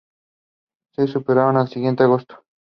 The site was originally open grazing land.